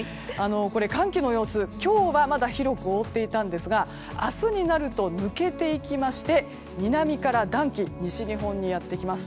寒気の様子、今日はまだ広く覆っていたんですが明日になると抜けていきまして南から暖気が西日本にやってきます。